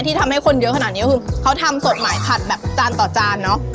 ทำให้คนเยอะขนาดนี้ก็คือเขาทำสดใหม่ขัดแบบจานต่อจานเนอะ